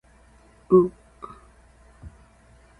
うおっ。